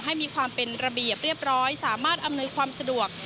ให้มีความเป็นระเบียบเรียบร้อยสามารถอำนวยความสะดวก